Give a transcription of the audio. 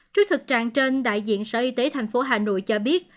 trước thực trạng trên đại diện sở y tế thành phố hà nội cho biết